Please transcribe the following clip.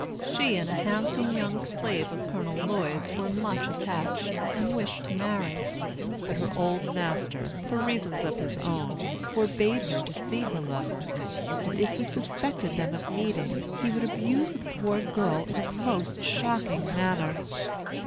She and a handsome young slave of Colonel Lloyd's were much attached, and wished to marry. But her old master, for reasons of his own, forbade her to see her lover, and if he suspected them of meeting he would abuse the poor girl in a most shocking manner.